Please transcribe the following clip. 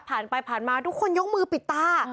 ผ่านไปผ่านมาทุกคนยกมือปิดตา